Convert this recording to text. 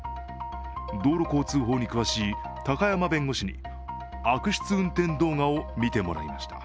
道路交通法に詳しい高山弁護士に悪質運転動画を見てもらいました。